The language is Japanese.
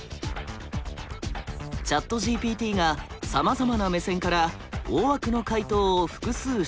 ＣｈａｔＧＰＴがさまざまな目線から大枠の回答を複数出力。